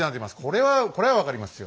これはこれは分かりますよ。